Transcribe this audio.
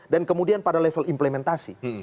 dan kemudian pada level implementasi